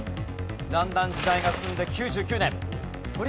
だんだん時代が進んで。